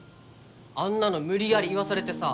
あんなの無理やり言わされてさ